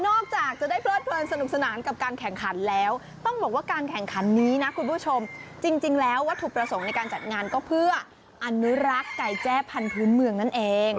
จากจะได้เพลิดเพลินสนุกสนานกับการแข่งขันแล้วต้องบอกว่าการแข่งขันนี้นะคุณผู้ชมจริงแล้ววัตถุประสงค์ในการจัดงานก็เพื่ออนุรักษ์ไก่แจ้พันธุ์เมืองนั่นเอง